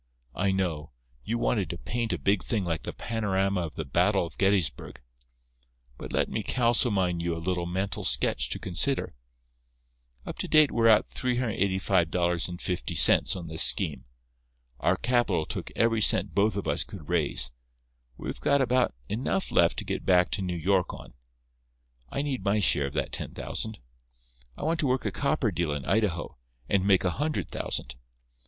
I know. You wanted to paint a big thing like the panorama of the battle of Gettysburg. But let me kalsomine you a little mental sketch to consider. Up to date we're out $385.50 on this scheme. Our capital took every cent both of us could raise. We've got about enough left to get back to New York on. I need my share of that ten thousand. I want to work a copper deal in Idaho, and make a hundred thousand.